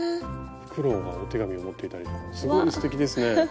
フクロウがお手紙を持っていたりとかすごいすてきですね。